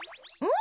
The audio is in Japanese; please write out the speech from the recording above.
ん？